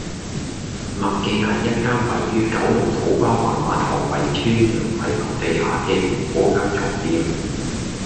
麥記係一間位於九龍土瓜灣馬頭圍邨洋葵樓地下嘅元寶香燭店